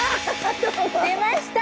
出ました！